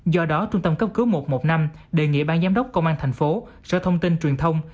do đó trung tâm cấp cứu một trăm một mươi năm đề nghị ban giám đốc công an thành phố sở thông tin truyền thông